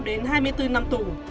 đến hai mươi bốn năm tù